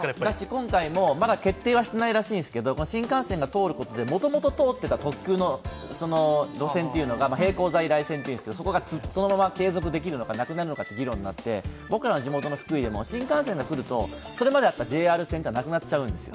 今回もまだ決定はしていないらしいんですけど新幹線が通ることで、もともと通っていた特急の路線が、並行在来線がそのまま継続できるのか、なくなるのかという議論になって、僕らの地元の福井でも新幹線が来ると、それまであったＪＲ線がなくなっちゃうんです。